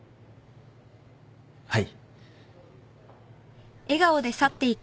はい。